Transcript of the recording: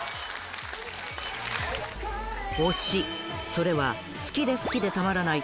それは好きで好きでたまらない